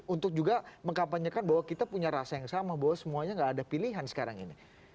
untuk juga mengkampanyekan bahwa kita punya rasa yang sama bahwa semuanya gak ada pilihan sekarang ini